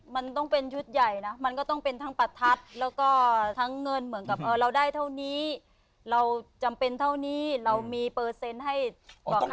มันต้องเป็นชุดใหญ่นะมันก็ต้องเป็นทั้งประทัดแล้วก็ทั้งเงินเหมือนกับเราได้เท่านี้เราจำเป็นเท่านี้เรามีเปอร์เซ็นต์ให้บอกค่ะ